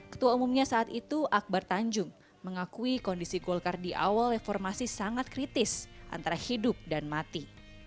ketua umumnya saat itu akbar tanjung mengakui kondisi golkar di awal reformasi sangat kritis antara hidup dan mati